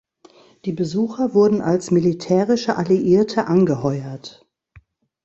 Die Besucher wurden als militärische Alliierte angeheuert.